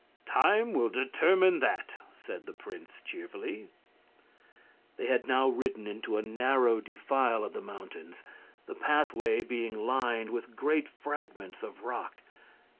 "Time will determine that," said the prince, cheerfully. They had now ridden into a narrow defile of the mountains, the pathway being lined with great fragments of rock.